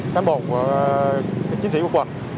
các bộ chính sĩ của quận